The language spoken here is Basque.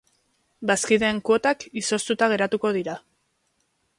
Bazkideen kuotak izoztuta geratuko dira.